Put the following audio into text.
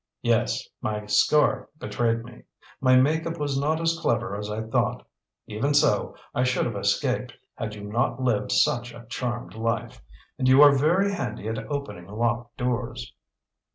"Yes, my scar betrayed me. My make up was not as clever as I thought. Even so, I should have escaped, had you not lived such a charmed life. And you are very handy at opening locked doors."